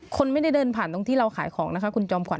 คนไม่ได้เดินผ่านตรงที่เราขายของนะคะคุณจอมขวั